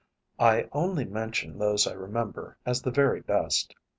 I only mention those I remember as the very best.